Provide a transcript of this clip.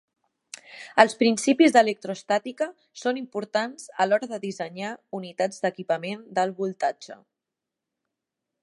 Els principis d'electrostàtica són importants a l'hora de dissenyar unitats d'equipament d'alt voltatge.